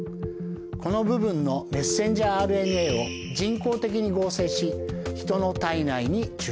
この部分のメッセンジャーＲＮＡを人工的に合成しヒトの体内に注射します。